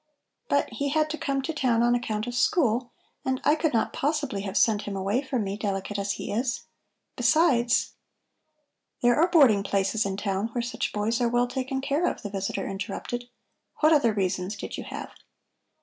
But he had to come to town on account of school, and I could not possibly have sent him away from me, delicate as he is. Besides " "There are boarding places in town where such boys are well taken care of," the visitor interrupted. "What other reasons did you have?"